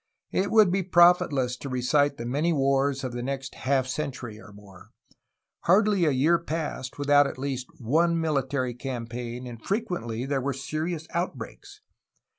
It would be profitless to recite the many wars of the next half century or more; hardly a year passed without at least one military campaign, and frequently there were serious outbreaks.